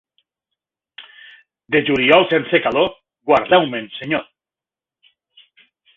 De juliol sense calor, guardeu-me'n, Senyor.